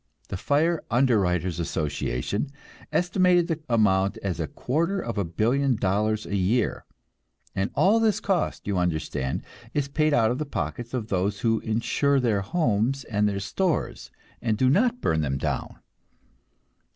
The Fire Underwriters' Association estimated the amount as a quarter of a billion dollars a year; and all this cost, you understand, is paid out of the pockets of those who insure their homes and their stores, and do not burn them down.